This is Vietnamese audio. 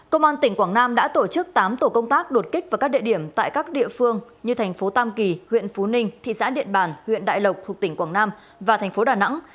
công an tỉnh quảng nam đã tổ chức tám tổ công tác đột kích vào các địa điểm tại các địa phương như thành phố tam kỳ huyện phú ninh thị xã điện bàn huyện đại lộc thuộc tỉnh quảng nam và thành phố đà nẵng